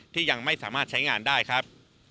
ยังไม่สามารถใช้งานได้ครับ